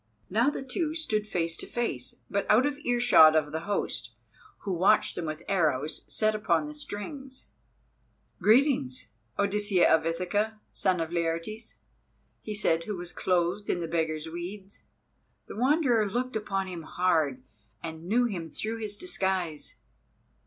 Now the two stood face to face, but out of earshot of the host, who watched them with arrows set upon the strings. "Greetings, Odysseus of Ithaca, son of Laertes," he said who was clothed in the beggar's weeds. The Wanderer looked upon him hard, and knew him through his disguise.